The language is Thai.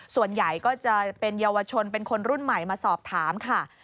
ส่วนใหญ่ก็จะเป็นเยาวชนเป็นคนรุ่นใหม่มาสอบถามค่ะ